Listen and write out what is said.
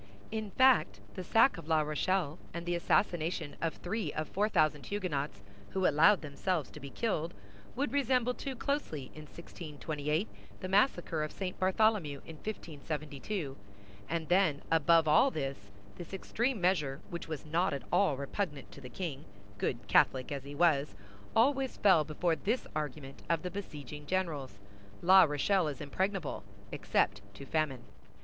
In fact, the sack of La Rochelle, and the assassination of three of four thousand Huguenots who allowed themselves to be killed, would resemble too closely, in 1628, the massacre of St. Bartholomew in 1572; and then, above all this, this extreme measure, which was not at all repugnant to the king, good Catholic as he was, always fell before this argument of the besieging generals—La Rochelle is impregnable except to famine.